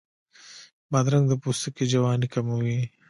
بادرنګ د پوستکي جوانۍ کموي.